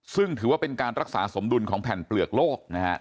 ซึ่งถือว่าเป็นการรักษาสมดุลของแผ่นเปลือกโลกนะฮะ